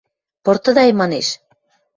– Пыртыдай, – манеш.